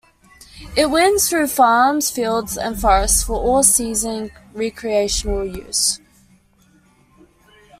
It winds through farms, fields and forests for all season recreational use.